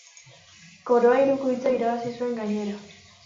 Koroa Hirukoitza irabazi zuen gainera.